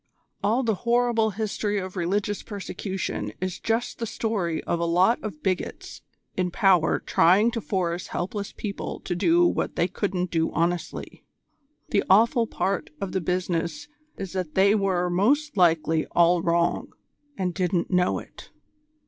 All the horrible history of religious persecution is just the story of a lot of bigots in power trying to force helpless people to do what they couldn't do honestly. The awful part of the business is that they were most likely all wrong, and didn't know it."